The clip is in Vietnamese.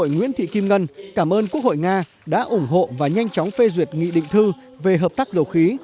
ngân cảm ơn quốc hội nga đã ủng hộ và nhanh chóng phê duyệt nghị định thư về hợp tác dầu khí